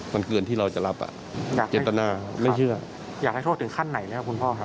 มันเกินที่เราจะรับอ่ะเจตนาไม่เชื่ออยากให้โทษถึงขั้นไหนไหมครับคุณพ่อครับ